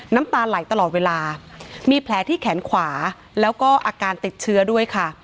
น้ำตาไหลตลอดเวลามีแผลที่แขนขวาแล้วก็อาการติดเชื้อด้วยค่ะ